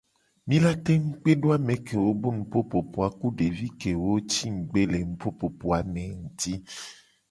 Mi la tengu kpe do ame kewo bu nupopopo a nguti ku devi kewo ci ngugbe le nupopopo me a.